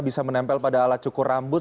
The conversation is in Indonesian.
bisa menempel pada alat cukur rambut